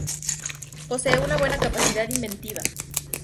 Posee una buena capacidad inventiva.